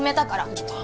ちょっと。